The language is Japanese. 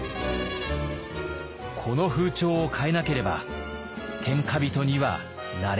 この風潮を変えなければ天下人にはなれない。